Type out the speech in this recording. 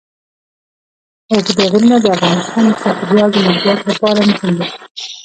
اوږده غرونه د افغانستان د چاپیریال د مدیریت لپاره مهم دي.